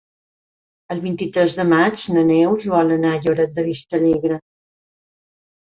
El vint-i-tres de maig na Neus vol anar a Lloret de Vistalegre.